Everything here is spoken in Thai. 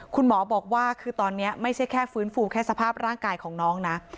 คุณหมอบอกว่าคือตอนนี้ไม่ใช่แค่ฟื้นฟูแค่สภาพร่างกายของน้องนะ